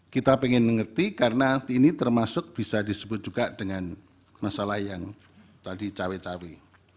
kita ingin mengerti karena ini termasuk bisa disebut juga dengan masalah yang tadi cawe cawe